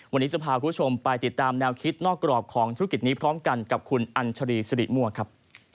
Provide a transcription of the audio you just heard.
วันนี้จะพาคุณผู้ชมไปติดตามแนวคิดนอกกรอบของธุรกิจนี้พร้อมกันกับคุณอัญชรีสิริมั่วครับ